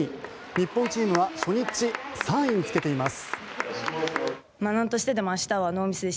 日本チームは初日、３位につけています。